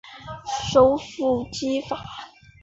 首府基法。